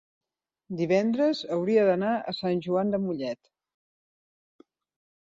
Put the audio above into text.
divendres hauria d'anar a Sant Joan de Mollet.